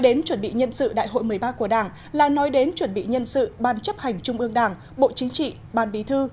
đại hội một mươi ba của đảng là nói đến chuẩn bị nhân sự ban chấp hành trung ương đảng bộ chính trị ban bí thư